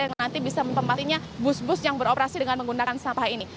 yang nanti bisa menempatinya bus bus yang beroperasi dengan menggunakan sampah ini